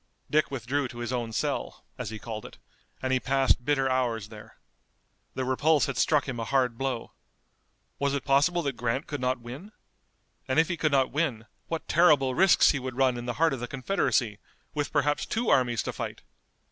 Dick withdrew to his own cell, as he called it, and he passed bitter hours there. The repulse had struck him a hard blow. Was it possible that Grant could not win? And if he could not win what terrible risks he would run in the heart of the Confederacy, with perhaps two armies to fight!